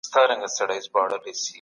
نوربه ناز ادا غواړم چي تـــا غـواړم